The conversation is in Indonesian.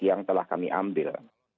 yang telah kami ambil